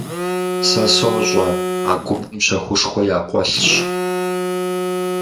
Сэ сощӀэ, а гупым щэхушхуэ якъуэлъщ.